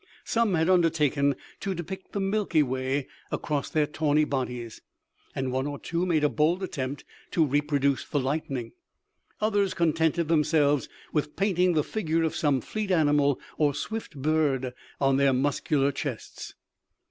Some had undertaken to depict the Milky Way across their tawny bodies, and one or two made a bold attempt to reproduce the lightning. Others contented themselves with painting the figure of some fleet animal or swift bird on their muscular chests.